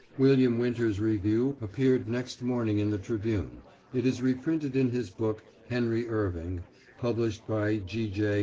William Winter's review appeared next morning in the Tribune, It is reprinted in his book, "Henry Irving," published by G. J.